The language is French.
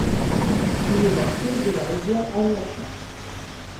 Il est la source de la rivière Aniakchak.